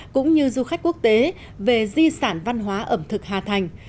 cũng như du khách quốc tế về di sản văn hóa ẩm thực hà thành